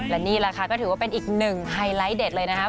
และนี่แหละค่ะก็ถือว่าเป็นอีกหนึ่งไฮไลท์เด็ดเลยนะครับ